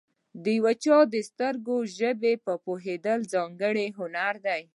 د یو چا د سترګو ژبه پوهېدل، ځانګړی هنر دی.